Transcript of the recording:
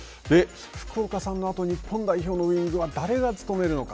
福岡さんのあと日本代表のウイングは誰が務めるのか。